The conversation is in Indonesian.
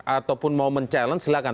ataupun mau mencabar silahkan